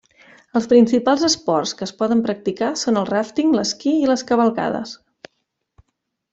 Els principals esports que es poden practicar són el ràfting, l'esquí i les cavalcades.